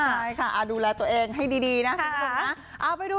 ใช่ค่ะดูแลตัวเองให้ดีนะคุณผู้ชมนะ